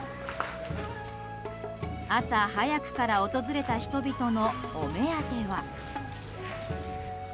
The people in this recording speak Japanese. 朝早くから訪れた人々のお目当ては。